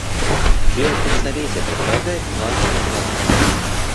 Членство в Совете предполагает важные обязанности.